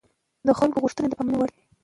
د خلکو غوښتنې د پاملرنې وړ دي